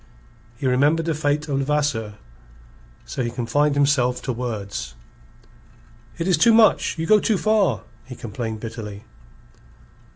He remembered the fate of Levasseur. So he confined himself to words. "It is too much! You go too far!" he complained bitterly.